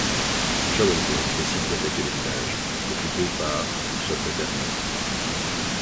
Schauenburg décide d'attaquer le village, occupé par ou soldats bernois.